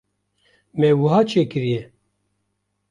me wiha çêkiriye.